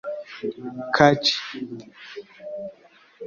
Kaci